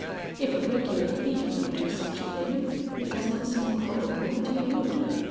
If a regular thief could do such a thing, it does not seem probable that he would.